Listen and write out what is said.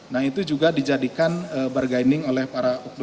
nah itu juga dijadikan bergaining oleh para umum ini